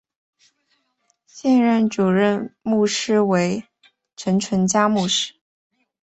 现任主任牧师为陈淳佳牧师。